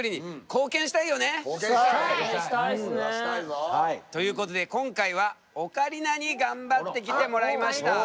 貢献したい！ということで今回はオカリナに頑張ってきてもらいました。